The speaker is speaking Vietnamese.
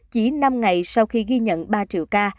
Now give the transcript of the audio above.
chỉ năm ngày sau khi ghi nhận ba triệu ca